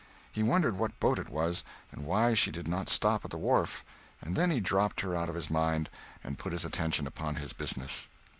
He wondered what boat it was, and why she did not stop at the wharf—and then he dropped her out of his mind and put his attention upon his business.